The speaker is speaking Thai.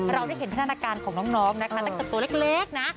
เราได้เห็นพัฒนาการของน้องนะคะตั้งแต่ตัวเล็กนะ